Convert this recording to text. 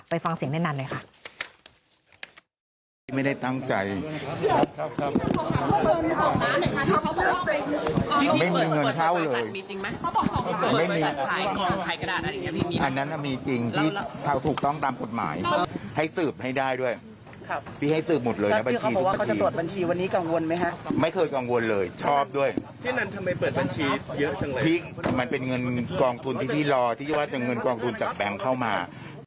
ไปฟังเสียงแนะนำเลยค่ะ